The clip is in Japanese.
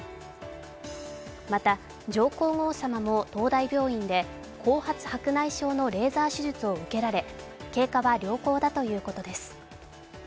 また、上皇后さまも東大病院で後発白内障のレーザー手術を受けられ経過は良好だということです。